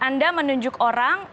anda menunjuk orang